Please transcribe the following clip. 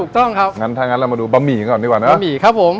ถูกต้องครับงั้นถ้างั้นเรามาดูบะหมี่ก่อนดีกว่านะบะหมี่ครับผม